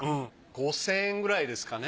５，０００円くらいですかね